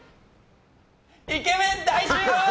イケメン大集合！